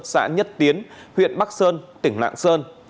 xã nhất tiến huyện bắc sơn tỉnh lạng sơn